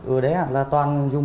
ở đấy là toàn dùng